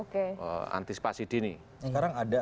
mengembalikan spasi dini sekarang ada